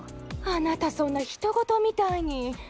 あなたそんなひとごとみたいに。